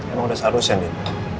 emang udah seharusnya din